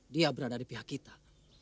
dia berada di pihak kita